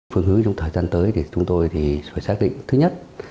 phương hướng trong thời gian tới chúng tôi xác định thứ nhất